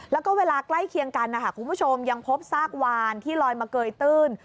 แล้วก็เวลาใกล้เคียงกันนะคะคุณผู้ชมยังพบซากวานที่ลอยมาเกยตื้น